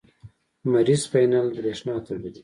لمریز پینل برېښنا تولیدوي.